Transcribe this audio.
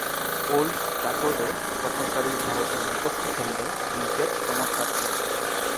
Old ট্রাফোর্ডে সফরকারী ভারতের বিপক্ষে খেললেও উইকেট চমৎকার ছিল।